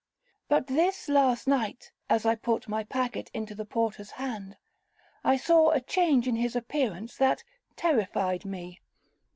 But this last night, as I put my packet into the porter's hand, I saw a change in his appearance that terrified me.